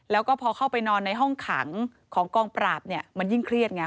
แล้วก็พอเข้าไปนอนในห้องขังของกองปราบเนี่ยมันยิ่งเครียดไง